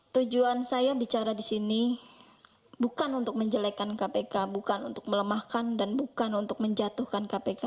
tujuan saya bicara di sini bukan untuk menjelekan kpk bukan untuk melemahkan dan bukan untuk menjatuhkan kpk